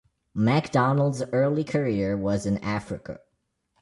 MacDonald's early career was in Africa.